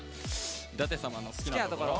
だて様の好きなところ。